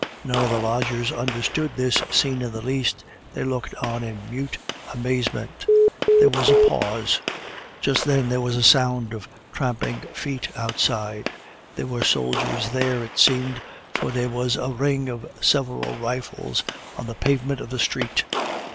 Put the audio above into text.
None of the lodgers understood this scene in the least, they looked on in mute amazement. There was a pause. Just then there was a sound of tramping feet outside; there were soldiers there, it seemed, for there was a ring of several rifles on the pavement of the street.